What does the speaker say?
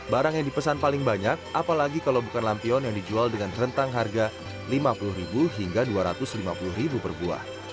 barang yang dipesan paling banyak apalagi kalau bukan lampion yang dijual dengan rentang harga rp lima puluh hingga rp dua ratus lima puluh per buah